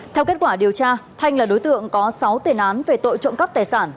theo kết quả điều tra thanh là đối tượng có sáu tiền án về tội trộm cắp tài sản